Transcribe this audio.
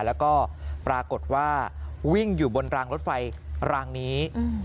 แล้วก็ปรากฏว่าวิ่งอยู่บนรางรถไฟรางนี้